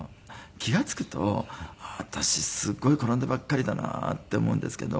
気が付くと私すごい転んでばっかりだなって思うんですけど。